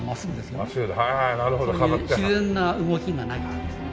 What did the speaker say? そういう自然な動きがないっていう。